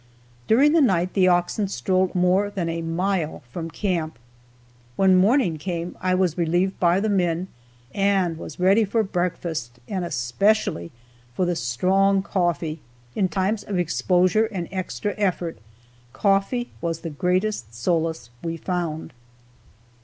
During the night the oxen strolled off more than a mile from camp. When morning came I was relieved by the men and was ready for breakfast, and especially for the strong coffee. In times of exposure and extra effort, coffee was the greatest solace we found.